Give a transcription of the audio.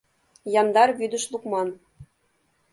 — Яндар вӱдыш лукман!